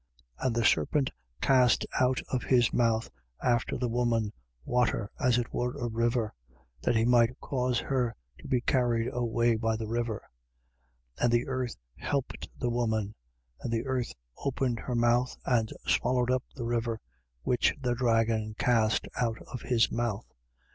And the serpent cast out of his mouth, after the woman, water, as it were a river: that he might cause her to be carried away by the river. 12:16. And the earth helped the woman: and the earth opened her mouth and swallowed up the river which the dragon cast out of his mouth.